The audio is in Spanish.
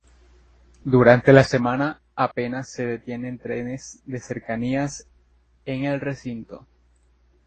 Durante la semana apenas se detienen trenes de cercanías en el recinto.